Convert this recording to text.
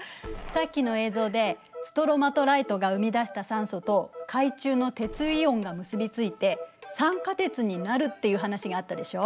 さっきの映像でストロマトライトが生み出した酸素と海中の鉄イオンが結び付いて酸化鉄になるっていう話があったでしょ。